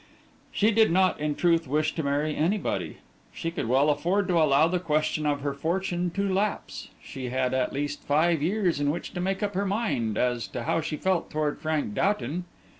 She did not, in truth, wish to marry anybody. She could well afford to allow the question of her fortune to lapse; she had at least five years in which to make up her mind, as to how she felt toward Frank Doughton.